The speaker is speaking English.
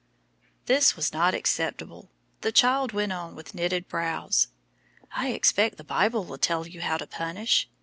This was not acceptable. The child went on with knitted brows: "I expect the Bible will tell you how to punish.